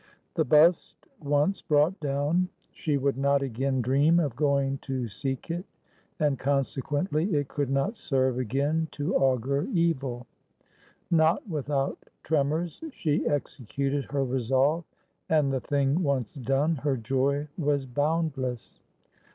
The bust once brought down, she would not again dream of going to seek it, and, consequently, it could not serve again to augur evil. Not without tremors, she executed her resolve, and, the thing once done, her joy was boundless.